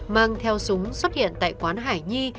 mang theo súng xuất hiện tại quán hải nhi